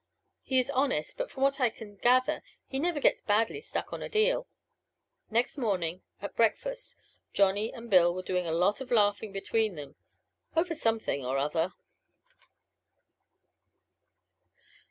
He is honest, but from what I can gather he never gets badly stuck on a deal. Next morning at breakfast Johnny and Bill were doing a lot of laughing between them over something or other.